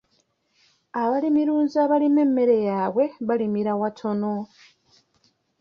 Abalimirunzi abalima emmere eyaabwe balimira watono.